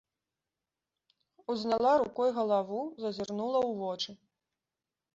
Узняла рукой галаву, зазірнула ў вочы.